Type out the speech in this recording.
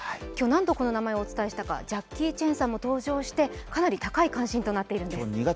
今日何度この名前をお伝えしたかジャッキー・チェンさんも登場してかなり高い関心となっているんですね。